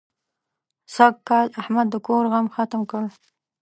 سږکال احمد د کور غم ختم کړ.